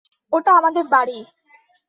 ওটা আমাদের বাড়ি।